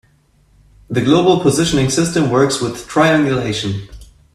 The global positioning system works with triangulation.